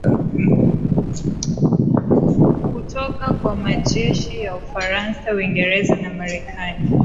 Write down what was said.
kutoka kwa majeshi ya ufaransa uingereza na marekani